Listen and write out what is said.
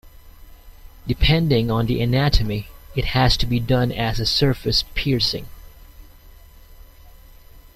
Depending on the anatomy it has to be done as a surface piercing.